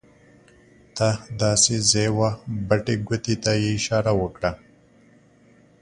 ته داسې ځې وه بټې ګوتې ته یې اشاره وکړه.